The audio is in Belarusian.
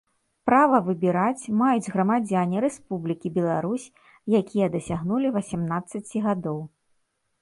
права выбіраць маюць грамадзяне Рэспублікі Беларусь, якія дасягнулі васемнадцаці гадоў.